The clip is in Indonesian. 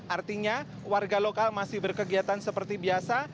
artinya warga lokal masih berkegiatan seperti biasa